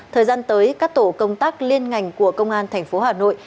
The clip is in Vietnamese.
thời gian tới các tổ công tác liên ngành của công an thành phố hà nội